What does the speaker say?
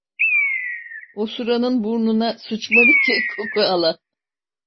Osuranın burnuna sıçmalı ki koku ala.